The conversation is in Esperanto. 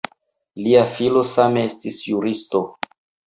Lia filo same estis juristo.